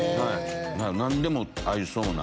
何でも合いそうな。